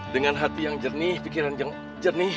dengan hati yang jernih pikiran yang jernih